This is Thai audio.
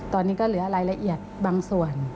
ตอนนี้ก็เหลือรายละเอียดบางส่วน